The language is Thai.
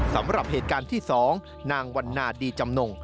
สำหรับเหตุการณ์ที่๒นางวันนาดีจำนง